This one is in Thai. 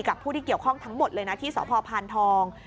กับผู้ที่เกี่ยวข้องทั้งหมดเลยที่สพทอง